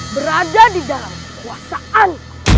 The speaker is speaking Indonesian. berada di dalam kekuasaan